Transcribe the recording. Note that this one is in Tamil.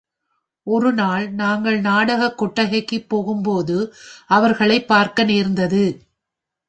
ஒருநாள் நாங்கள் நாடகக் கொட்டகைக்குப் போகும்போது, அவர்களைப் பார்க்க நேர்ந்தது.